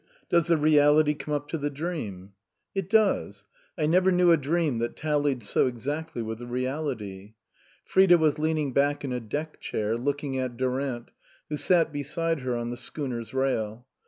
Does V V the reality come up to the dream ?"" It does. I never knew a dream that tallied so exactly with the reality." Frida was leaning back in a deck chair, look ing at Durant, who sat beside her on the schooner's rail.